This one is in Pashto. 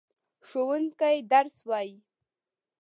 ښوونکی درس وايي.